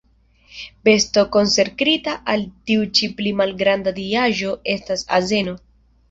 Besto konsekrita al tiu ĉi pli malgranda diaĵo estas azeno.